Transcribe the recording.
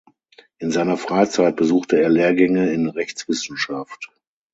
In seiner Freizeit besuchte er Lehrgänge in Rechtswissenschaft.